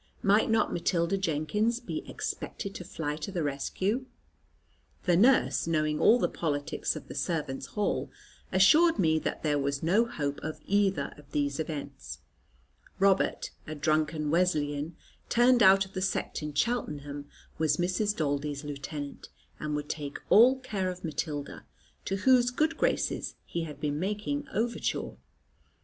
Might not Matilda Jenkins be expected to fly to the rescue? The nurse, knowing all the politics of the servants' hall, assured me that there was no hope of either of these events. Robert, a drunken Wesleyan, turned out of the sect in Cheltenham, was Mrs. Daldy's lieutenant, and would take all care of Matilda, to whose good graces he had been making overture.